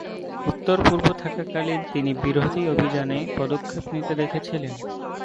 উত্তর-পূর্ব থাকাকালীন তিনি বিরোধী অভিযানে পদক্ষেপ নিতে দেখেছিলেন।